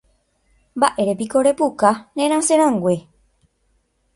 Mba'érepiko repuka nerasẽrãngue.